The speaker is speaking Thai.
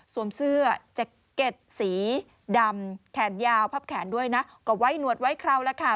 เสื้อแจ็คเก็ตสีดำแขนยาวพับแขนด้วยนะก็ไว้หนวดไว้คราวแล้วค่ะ